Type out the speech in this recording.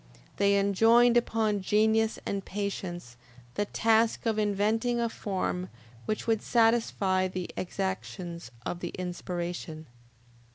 They enjoined upon genius and patience the task of inventing a form which would satisfy the exactions of the inspiration.